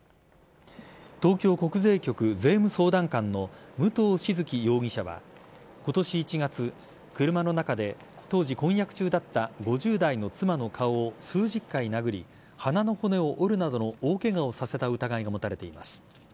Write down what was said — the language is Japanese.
東京国税局税務相談官の武藤静城容疑者は今年１月、車の中で当時、婚約中だった５０代の妻の顔を数十回殴り鼻の骨を折るなどの大ケガをさせた疑いが持たれています。